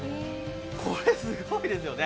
これ、すごいですよね。